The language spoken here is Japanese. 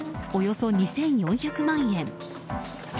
およそ２４００万円。